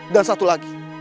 dan satu lagi